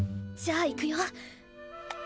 じゃあいくよ。